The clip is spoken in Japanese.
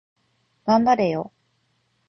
頑張れよ